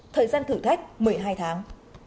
thời gian thử thách một mươi hai tháng